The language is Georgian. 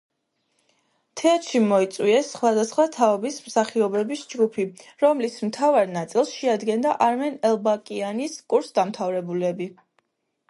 თეატრში მოიწვიეს სხვადასხვა თაობის მსახიობების ჯგუფი, რომლის მთავარი ნაწილს შეადგენდა არმენ ელბაკიანის კურსდამთავრებულები.